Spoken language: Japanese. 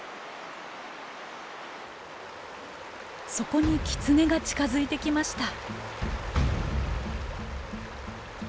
そこにキツネが近づいてきました。